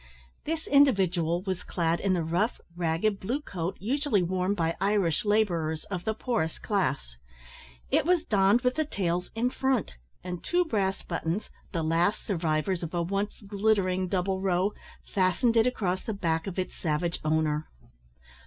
This individual was clad in the rough, ragged blue coat usually worn by Irish labourers of the poorest class. It was donned with the tails in front; and two brass buttons, the last survivors of a once glittering double row, fastened it across the back of its savage owner.